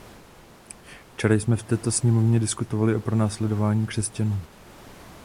Včera jsme v této sněmovně diskutovali o pronásledování křesťanů.